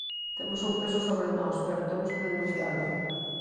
Temos un peso sobre nós, pero temos que denuncialo.